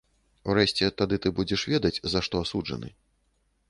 Урэшце, тады ты будзеш ведаць, за што асуджаны.